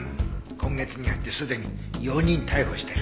今月に入ってすでに４人逮捕してる。